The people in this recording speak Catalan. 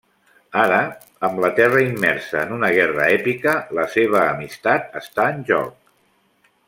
Ara, amb la Terra immersa en una guerra èpica, la seva amistat està en joc.